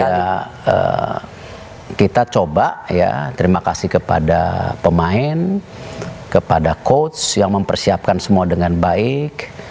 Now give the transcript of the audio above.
dan ya kita coba ya terima kasih kepada pemain kepada coach yang mempersiapkan semua dengan baik